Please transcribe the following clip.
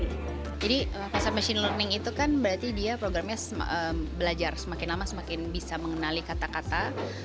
jadi masa machine learning itu kan berarti dia programnya belajar semakin lama semakin bisa mengenali kata kata